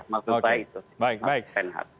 maksud saya itu